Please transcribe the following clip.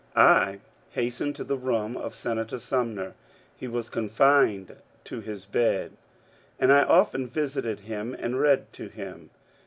I hastened to the room of Senator Sum ner. He was confined to his bed, and I often visited him and read to him.